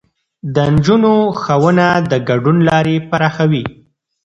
د نجونو ښوونه د ګډون لارې پراخوي.